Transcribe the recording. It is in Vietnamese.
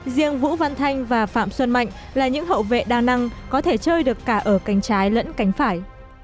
riêng vũ văn thanh và phạm xuân mạnh là những hậu vệ đa năng có thể chơi được cả ở cánh trái lẫn cánh phải